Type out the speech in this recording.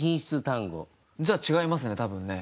じゃあ違いますね多分ね。